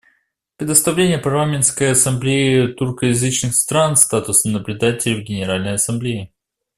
Предоставление Парламентской ассамблее тюркоязычных стран статуса наблюдателя в Генеральной Ассамблее.